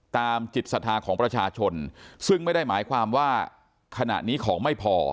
จิตศรัทธาของประชาชนซึ่งไม่ได้หมายความว่าขณะนี้ของไม่พอ